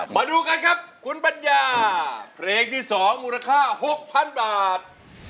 มาดูกันครับคุณปัญญาเพลงที่๒มูลค่า๖๐๐๐บาท